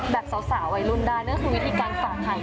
แบบสาววัยรุงนานั่นก็คือวิธีการฝากไข่